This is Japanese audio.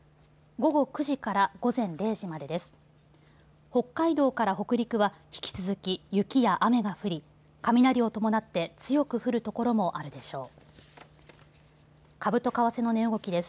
午後９時から午前０時までです。